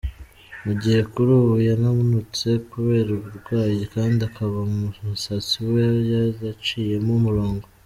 Mu gihe kuri ubu yananutse kubera uburwayi kandi akaba mu musatsi we yaraciyemo umurongo.